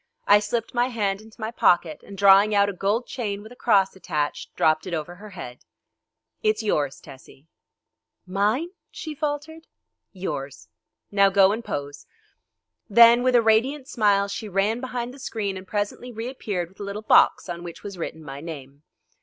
I slipped my hand into my pocket, and drawing out a gold chain with a cross attached, dropped it over her head. "It's yours, Tessie." "Mine?" she faltered. "Yours. Now go and pose," Then with a radiant smile she ran behind the screen and presently reappeared with a little box on which was written my name.